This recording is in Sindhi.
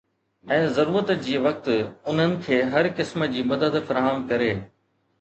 ۽ ضرورت جي وقت انهن کي هر قسم جي مدد فراهم ڪري.